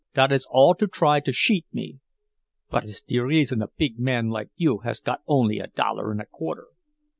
"Dot is all to try to sheat me. Vot is de reason a big man like you has got only a dollar und a quarter?"